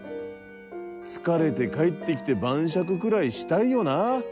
疲れて帰ってきて晩酌くらいしたいよな。